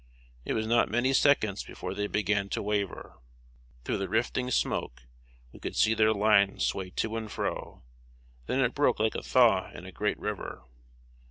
It was not many seconds before they began to waver. Through the rifting smoke, we could see their line sway to and fro; then it broke like a thaw in a great river.